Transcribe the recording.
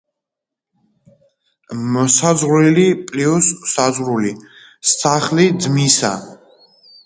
ანა გამუდმებით ცდილობდა დედის გახარებას.